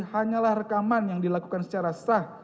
hanyalah rekaman yang dilakukan secara sah